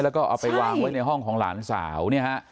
แล้วก็เอาไปวางไว้ในห้องของหลานสาวเนี่ยฮะ